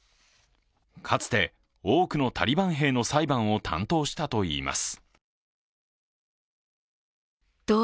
かつて多くのタリバン兵の裁判を担当したといいます。